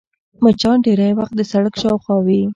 مچان ډېری وخت د سړک شاوخوا وي